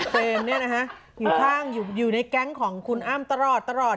เตรียมเนี่ยนะฮะอยู่ข้างอยู่ในแก๊งของคุณอ้ามตลอดตลอด